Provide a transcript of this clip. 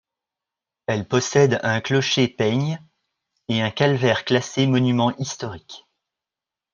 Elle possède un clocher-peigne et un calvaire classé monument historique.